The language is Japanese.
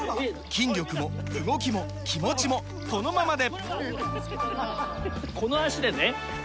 筋力も動きも気持ちもこのままで！